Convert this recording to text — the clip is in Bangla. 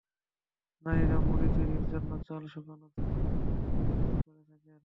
নারীরা মুড়ি তৈরির জন্য চাল শুকানো থেকে ভাজার কাজ করে থাকেন।